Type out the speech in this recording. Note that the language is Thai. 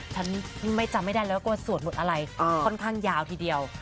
ฉันไม่จำไม่ได้แล้วว่าสวดบทอะไรค่อนข้างยาวทีเดียว